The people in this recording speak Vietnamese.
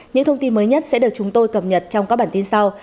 những thông tin mới nhất sẽ được chúng tôi cập nhật trong các bản tin sau